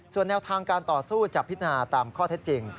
ส่วนแนวทางการต่อสู้จะพิจารณาตามข้อเท็จจริง